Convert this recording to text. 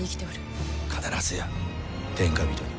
必ずや天下人に。